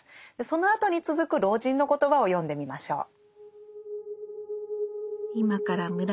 そのあとに続く老人の言葉を読んでみましょう。